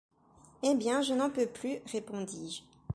Eh bien, je n’en peux plus, répondis-je.